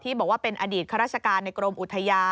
ที่บอกว่าเป็นอดีตครราชกาลในกรมอุทยา